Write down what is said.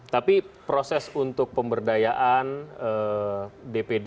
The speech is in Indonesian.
tapi proses untuk pemberdayaan dpd